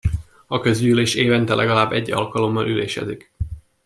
A közgyűlés évente legalább egy alkalommal ülésezik.